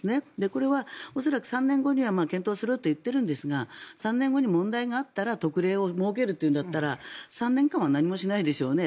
これは恐らく３年後には検討すると言っているんですが３年後に問題があったら特例を設けるというんだったら３年間は何もしないでしょうね。